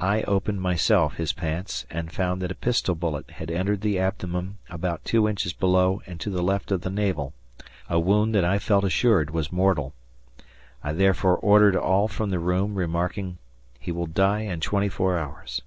I opened, myself, his pants and found that a pistol bullet had entered the abdomen about two inches below and to the left of the navel; a wound that I felt assured was mortal. I therefore ordered all from the room, remarking, "He will die in twenty four hours."